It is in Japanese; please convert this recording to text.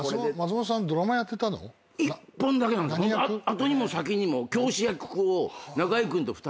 後にも先にも。